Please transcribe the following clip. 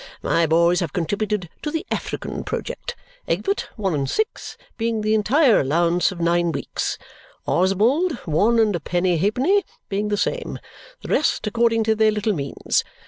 My boys have contributed to the African project Egbert, one and six, being the entire allowance of nine weeks; Oswald, one and a penny halfpenny, being the same; the rest, according to their little means.